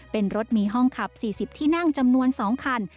เป็นรถมีห้องขับ๔๐ที่นั่งจำนวน๒คัน